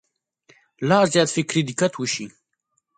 لا زیات فکري دقت وشي.